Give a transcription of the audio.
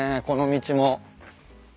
この道も。